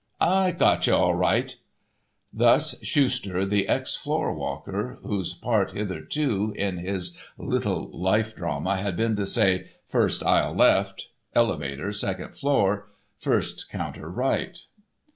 "I got you, all right!" Thus Schuster, the ex floor walker, whose part hitherto in his little life drama had been to say, "first aisle left," "elevator, second floor," "first counter right."